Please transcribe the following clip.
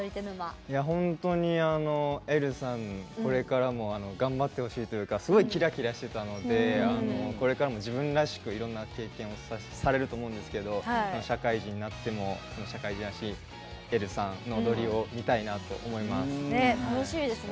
本当に、えるさんこれからも頑張ってほしいというかすごい、キラキラしてたのでこれからも自分らしくいろんな経験をされると思うんですけど社会人になっても社会人らしい、えるさんの踊り見たいなと思います。